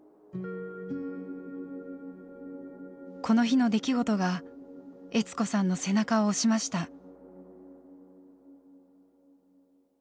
この日の出来事が悦子さんの背中を押しました。